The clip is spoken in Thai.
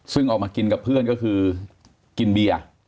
ซึ่งออกมากินกับเพื่อนก็คือกินเบียร์